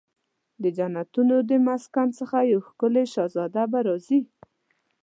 د جنتونو د مسکن څخه یو ښکلې شهزاده به راځي